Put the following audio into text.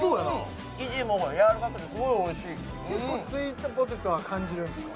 生地もやわらかくてすごいおいしい結構スウィートポテトは感じるんですか？